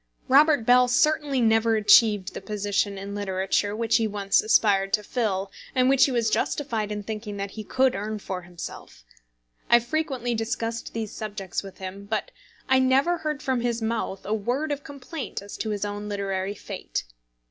Robert Bell certainly never achieved the position in literature which he once aspired to fill, and which he was justified in thinking that he could earn for himself. I have frequently discussed these subjects with him, but I never heard from his mouth a word of complaint as to his own literary fate.